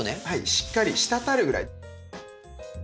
しっかり滴るぐらい。